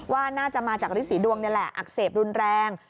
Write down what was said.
ว่าน่าจะมาจากฤษีดวงนี่แหละอักเสบรุนแรง